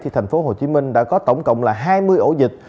thành phố hồ chí minh đã có tổng cộng là hai mươi ổ dịch